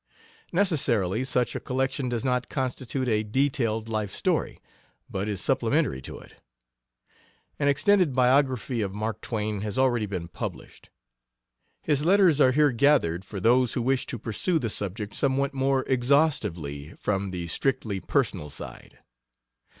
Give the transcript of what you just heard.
Necessarily such a collection does not constitute a detailed life story, but is supplementary to it. An extended biography of Mark Twain has already been published. His letters are here gathered for those who wish to pursue the subject somewhat more exhaustively from the strictly personal side.